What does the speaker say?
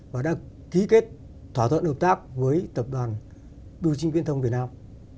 và đã ký kết thỏa thuận hợp tác với tập đoàn đô chinh viễn thông việt nam